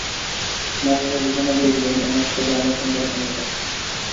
মা-বাবা ঘোষণা দিয়ে দিলেন, অমুক সালে আমার সন্তান এমএ পাস করবে।